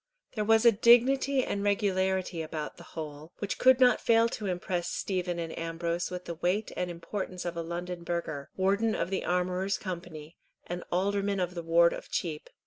There was a dignity and regularity about the whole, which could not fail to impress Stephen and Ambrose with the weight and importance of a London burgher, warden of the Armourers' Company, and alderman of the Ward of Cheap.